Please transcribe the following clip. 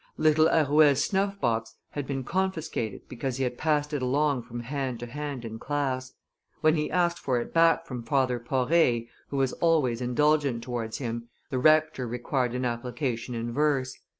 Little Arouet's snuff box had been confiscated because he had passed it along from hand to, hand in class; when he asked for it back from Father Poree, who was always indulgent towards him, the rector required an application in verse.